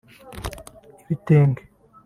‘Ibitenge’